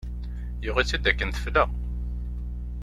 Yuɣ-itt-id akken tefla.